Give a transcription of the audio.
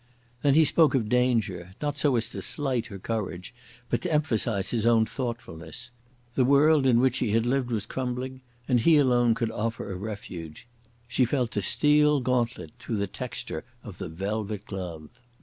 Then he spoke of danger, not so as to slight her courage, but to emphasise his own thoughtfulness. The world in which she had lived was crumbling, and he alone could offer a refuge. She felt the steel gauntlet through the texture of the velvet glove.